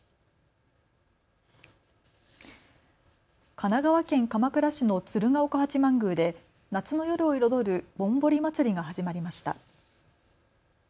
神奈川県鎌倉市の鶴岡八幡宮で夏の夜を彩るぼんぼり祭が始まりました。